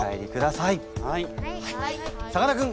さかなクン